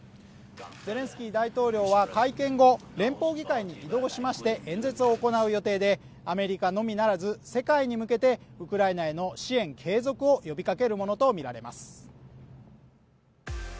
ゼレンスキー大統領は会見後、連邦議会に移動しまして、演説を行う予定でアメリカのみならず世界へ向けてウクライナへの支援継続を呼びかけるものとみられます。